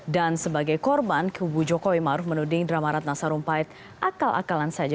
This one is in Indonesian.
dan sebagai korban kubu jokowi maruf menuding drama rakyat nasarumpahit akal akalan saja